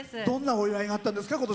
どんなお祝いがあったんですか？